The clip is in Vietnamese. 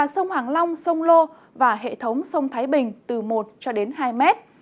sông hoàng long sông lô và hệ thống sông thái bình từ một hai m